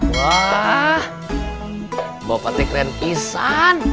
wah bapaknya keren isan